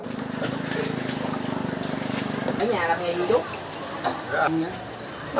ở nhà làm nghề gì chú